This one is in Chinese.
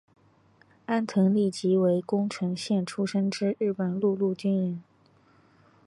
安藤利吉为宫城县出身之日本陆军军人。